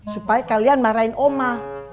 supaya kalian marahin oma